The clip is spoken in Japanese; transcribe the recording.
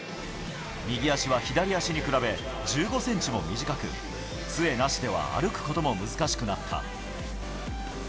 右足は左足に比べ１５ｃｍも短く、杖なしでは歩くことも難しくなった。